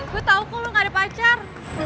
gue tau kok lo gak ada pacar